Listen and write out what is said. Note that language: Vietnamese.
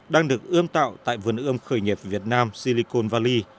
đang được ươm tạo tại vườn ươm khởi nghiệp việt nam silicon valley